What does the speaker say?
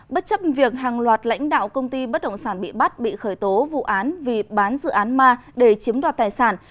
bất chấp việc hàng loạt lãnh đạo công ty bất động sản bị bắt bị khởi tố vụ án vì bán dự án ma để chiếm đoạt tài sản